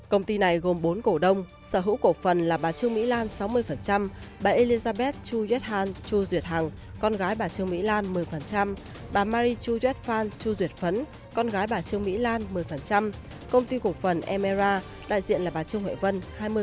công ty này gồm bốn cổ đông sở hữu cổ phần là bà trương mỹ lan sáu mươi bà elizabeth chu yết han chu duyệt hằng con gái bà trương mỹ lan một mươi bà marie chu yết phan chu duyệt phấn con gái bà trương mỹ lan một mươi công ty cổ phần emera đại diện là bà trương hội vân hai mươi